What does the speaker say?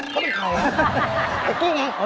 ก็ไม่เขา